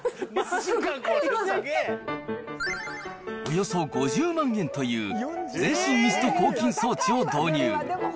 およそ５０万円という、全身ミスト抗菌装置を導入。